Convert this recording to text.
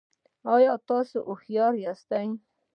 ایا تاسو هوښیار یاست؟